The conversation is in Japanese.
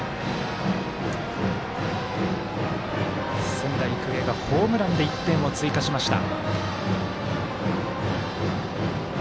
仙台育英、ホームランで１点を追加しました。